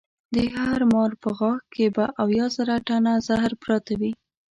د هر مار په غاښ کې به اویا زره ټنه زهر پراته وي.